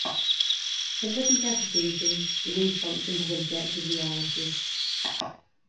In this interpretation the wavefunction has objective reality.